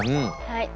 はい。